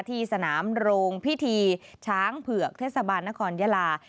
ที่สนามโรงพิธีช้างเผือกเทศบาลนครยาลา